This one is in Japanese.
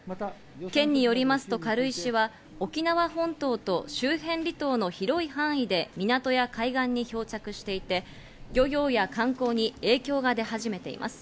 県によりますと軽石は沖縄本島と周辺離島の広い範囲で港や海岸に漂着していて、漁業や観光に影響が出始めています。